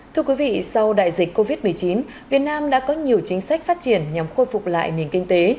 thưa quý vị sau đại dịch covid một mươi chín việt nam đã có nhiều chính sách phát triển nhằm khôi phục lại nền kinh tế